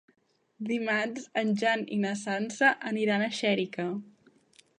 Dimarts en Jan i na Sança aniran a Xèrica.